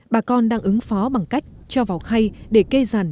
bà con đang ứng phó bằng cách cho vào khay để kê ràn